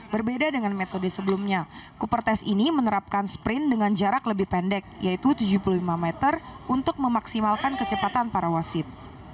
berbeda dengan metode sebelumnya cooper test ini menerapkan sprint dengan jarak lebih pendek yaitu tujuh puluh lima meter untuk memaksimalkan kecepatan para wasit